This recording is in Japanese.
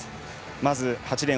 まず８レーン